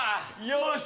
よし。